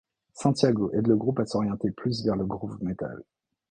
Santiago aide le groupe à s'orienter plus vers le groove metal.